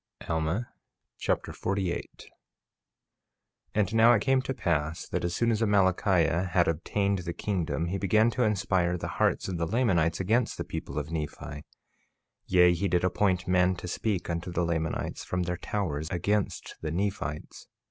Alma Chapter 48 48:1 And now it came to pass that, as soon as Amalickiah had obtained the kingdom he began to inspire the hearts of the Lamanites against the people of Nephi; yea, he did appoint men to speak unto the Lamanites from their towers, against the Nephites.